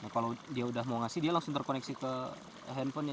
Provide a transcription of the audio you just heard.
kalau dia udah mau ngasih dia langsung terkoneksi ke handphonenya